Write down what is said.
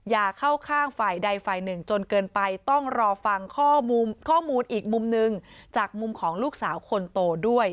อย่าเข้าข้างฝ่ายใดฝ่ายหนึ่งจนเกินไปต้องรอฟังข้อมูลอีกมุมหนึ่งจากมุมของลูกสาวคนโตด้วย